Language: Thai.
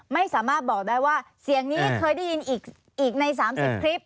ไม่สามารถบอกได้ว่าเสียงนี้เคยได้ยินอีกใน๓๐คลิป